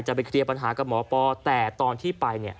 จะไปเคลียร์ปัญหากับหมอปอร์แต่ตอนที่ไปเนี่ย